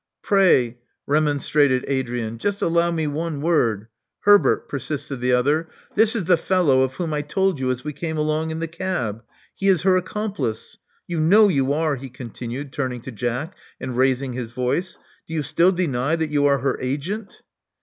PrayI" remonstrated Adrian. Just allow me one word "Herbert," persisted the other: *'this is the fellow of whom I told you as we came along in the cab. He is her accomplice. You know you are," he continued, turning to Jack, and raising his voice. Do you still deny that you are her agent?"